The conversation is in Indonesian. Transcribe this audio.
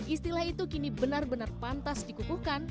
istilah itu kini benar benar pantas dikukuhkan